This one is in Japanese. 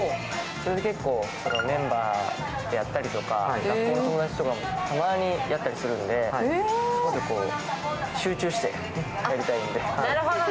それでメンバーとやったりとか、学校の友達ともたまにやったりするので、すごく集中してやりたいので。